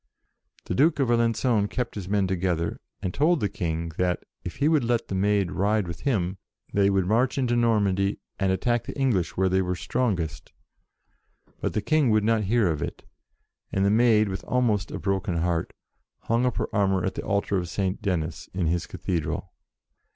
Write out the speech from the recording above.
The Duke of Alencon kept his men to gether, and told the King that, if he would 76 JOAN OF ARC let the Maid ride with him, they would march into Normandy, and attack the Eng lish where they were strongest. But the King would not hear of it, and the Maid, with almost a broken heart, hung up her armour at the altar of Saint Denis, in his Cathedral.